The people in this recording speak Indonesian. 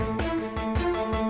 tidak ada tanah tanah